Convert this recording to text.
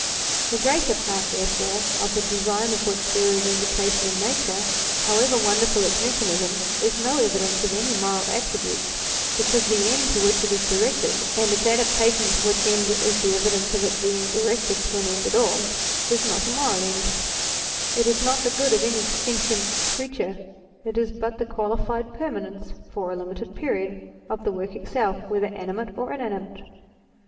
The greater part, therefore, of the design of which there is indication in Nature, however wonderful its mechanism, is no evidence of any moral attributes, because the end to which it is directed, and its adapta tion to which end is the evidence of its being directed to an end at all, is not a moral end: it is not the 190 THEISM good of any sentient creature, it is but the qualified permanence, for a limited period, of the work itself, whether animate or inanimate.